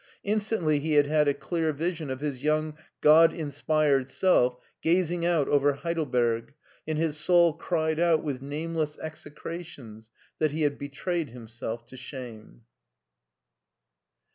Instantly he had had a dear vision of his yoimg God inspired self gazing out over Heidelberg, and his soul cried aloud with nameless execrations that he had betrayed himself to shame.